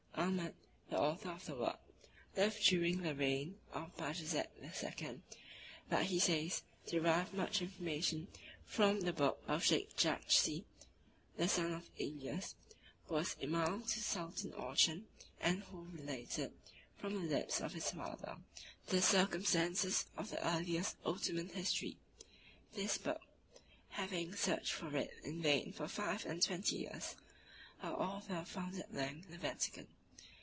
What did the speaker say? Ahmed, the author of the work, lived during the reign of Bajazet II., but, he says, derived much information from the book of Scheik Jachshi, the son of Elias, who was Imaum to Sultan Orchan, (the second Ottoman king) and who related, from the lips of his father, the circumstances of the earliest Ottoman history. This book (having searched for it in vain for five and twenty years) our author found at length in the Vatican.